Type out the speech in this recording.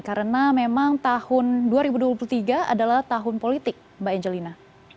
karena memang tahun dua ribu dua puluh tiga adalah tahun politik mbak angelina